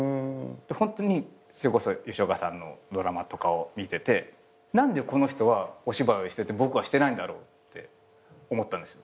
それこそ吉岡さんのドラマとかを見てて何でこの人はお芝居をしてて僕はしてないんだろうって思ったんです。